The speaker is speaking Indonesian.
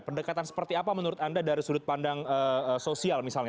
pendekatan seperti apa menurut anda dari sudut pandang sosial misalnya